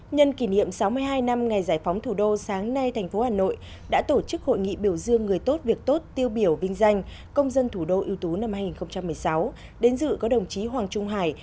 nhân kỷ niệm sáu mươi hai năm ngày giải phóng thủ đô sáng nay thành phố hà nội đã tổ chức hội nghị biểu dương người tốt việc tốt tiêu biểu vinh danh công dân thủ đô yêu tú năm hai nghìn một mươi sáu đến dự có đồng chí hoàng trung hải